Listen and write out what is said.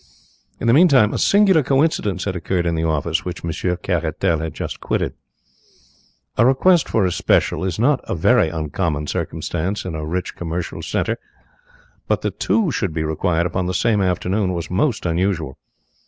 In the meantime a singular coincidence had occurred in the office which Monsieur Caratal had just quitted. A request for a special is not a very uncommon circumstance in a rich commercial centre, but that two should be required upon the same afternoon was most unusual.